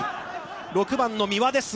６番の三羽ですが。